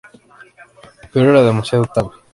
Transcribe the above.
Pero era demasiado tarde.